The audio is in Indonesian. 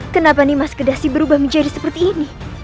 kenapa nimas kedasi berubah menjadi seperti ini